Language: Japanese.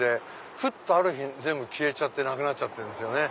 ふっとある日全部消えちゃってなくなっちゃってるんですよね。